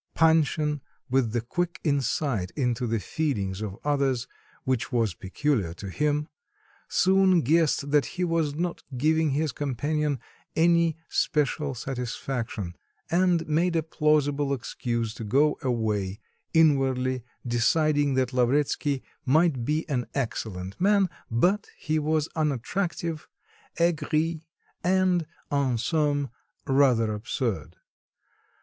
Panshin, with the quick insight into the feelings of others, which was peculiar to him, soon guessed that he was not giving his companion any special satisfaction, and made a plausible excuse to go away, inwardly deciding that Lavretsky might be an "excellent man," but he was unattractive, aigri, and, en somme, rather absurd.